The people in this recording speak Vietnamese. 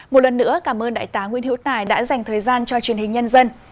một lần nữa cảm ơn đại tá nguyễn hiễu tài đã dành thời gian cho truyền hình nhân dân